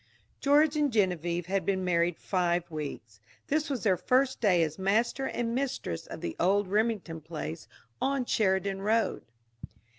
George and Genevieve had been married five weeks; this was their first day as master and mistress of the old Remington place on Sheridan Road.